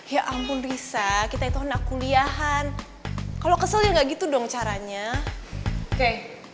ya ampun risa kita itu anak kuliahan kalau kesel ya nggak gitu dong caranya oke